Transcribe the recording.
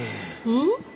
うん？